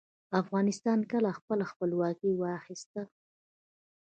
افغانستان کله خپله خپلواکي واخیسته؟